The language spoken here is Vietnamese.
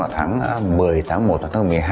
tháng một mươi tháng một tháng một mươi hai